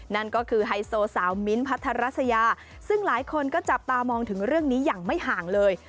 นั่นก็คือไฮโซสาวมิ้นท์พัทรัสยาซึ่งหลายคนก็จับตามองถึงเรื่องนี้อย่างไม่ห่างเลย